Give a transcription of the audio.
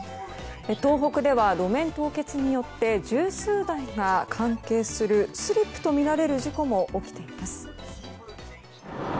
東北では路面凍結によって十数台が関係するスリップとみられる事故も起きています。